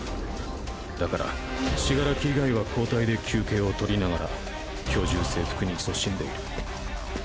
だから死柄木以外は交代で休憩を取りながら巨獣征服に勤しんでいる。